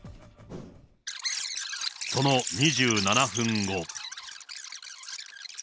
その２７分後。